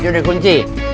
itu udah kunci